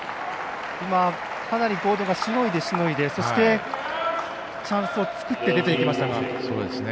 かなりゴードンがしのいで、しのいでそして、チャンスを作って出ていきました。